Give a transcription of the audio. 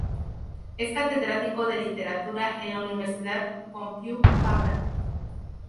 Es catedrático de Literatura en la Universidad Pompeu Fabra.